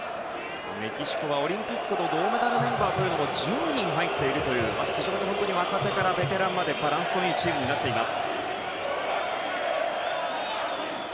メキシコはオリンピックの銅メダルメンバーが１０人も入っているという非常に若手からベテランまでバランスのいいチームになっています。